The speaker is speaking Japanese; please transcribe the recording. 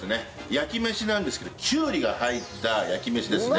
焼き飯なんですけどきゅうりが入った焼き飯ですね。